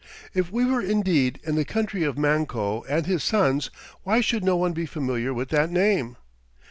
If we were indeed in the country of Manco and his sons, why should no one be familiar with that name?